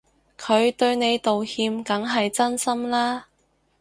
佢對你道歉梗係真心啦